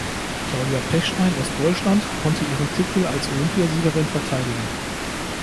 Claudia Pechstein aus Deutschland konnte ihren Titel als Olympiasiegerin verteidigen.